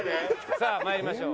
さあまいりましょう。